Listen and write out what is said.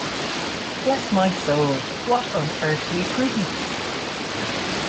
Bless my soul, what unearthly prudence!